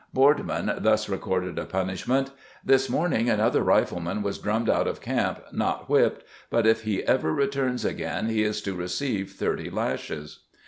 Boardman thus recorded a punishment, "This morning another rifleman was drummed out of camp not whipped, but if he ever returns again he is to receive thirty lashes."